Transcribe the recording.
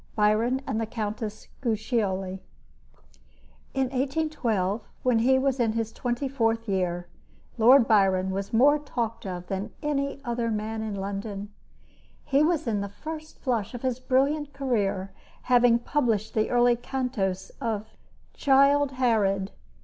BYRON AND THE COUNTESS GUICCIOLI In 1812, when he was in his twenty fourth year, Lord Byron was more talked of than any other man in London. He was in the first flush of his brilliant career, having published the early cantos of "Childe Harold."